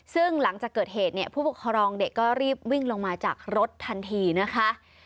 ซึ่งหลังจากเกิดเหตุเนี่ยผู้ปกครองเด็กก็รีบวิ่งลงมาจากรถทันทีนะคะ